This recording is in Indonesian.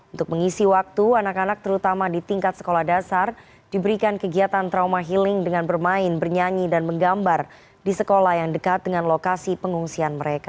untuk mengisi waktu anak anak terutama di tingkat sekolah dasar diberikan kegiatan trauma healing dengan bermain bernyanyi dan menggambar di sekolah yang dekat dengan lokasi pengungsian mereka